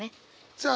さあ